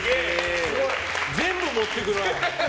全部持ってくな。